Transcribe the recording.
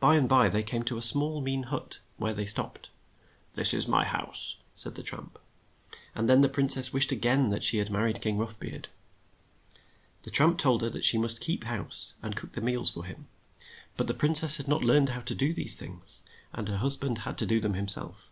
By and by they came to a small, mean hut, and there they stopped. "This is my house," said the tramp, and then the prin cess wished a gain that she had mar ried King Rough Beard. The tramp told her she must keep house and cook the meals for him ; but the prin cess had not learned how to do these things, and her hus band had to do them him self.